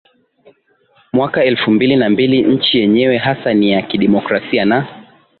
mwaka elfu mbili na mbili Nchi yenyewe hasa ni ya kidemokrasia na